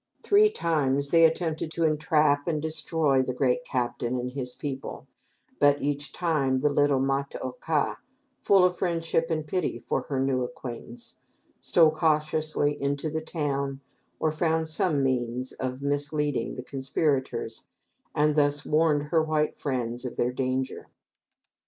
Three times they attempted to entrap and destroy the "great captain" and his people, but each time the little Ma ta oka, full of friendship and pity for her new acquaintances, stole cautiously into the town, or found some means of misleading the conspirators, and thus warned her white friends of their danger.